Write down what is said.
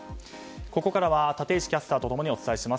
ここからは立石キャスターと共にお伝えします。